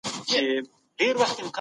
سياسي اوښتونونو د نړۍ بڼه بدله کړې ده.